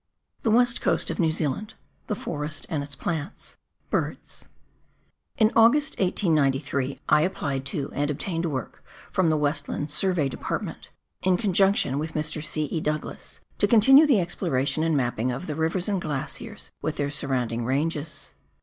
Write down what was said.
The "West Coast of New Zealand — Tlie Forest and its Plants — Birds. In August, 1893, I applied to and obtained work from the "Westland Survey Department, in conjunction with Mr. C. E. Douglas, to continue the exploration and mapping of the rivers and glaciers with their surrounding ranges.